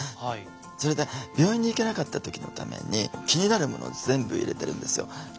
それで病院に行けなかった時のために気になるものを全部入れてるんですよ。